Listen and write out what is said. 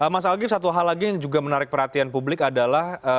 mas algif satu hal lagi yang juga menarik perhatian publik adalah